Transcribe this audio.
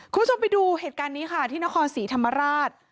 คุณผู้ชมไปดูเหตุการณ์นี้ค่ะที่นครศรีธรรมราช